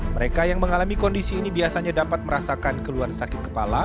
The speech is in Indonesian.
mereka yang mengalami kondisi ini biasanya dapat merasakan keluhan sakit kepala